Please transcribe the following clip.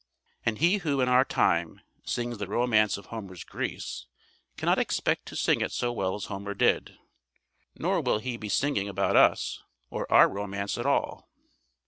And he who in our time sings the romance of Homer's Greece cannot expect to sing it so well as Homer did, nor will he be singing about us or our romance at all.